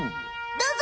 どうぞ！